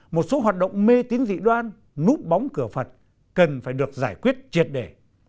một số hoạt động mê tín dị đoan núp bóng cửa phật cần phải được giải quyết triệt đề